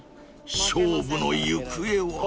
［勝負の行方は？］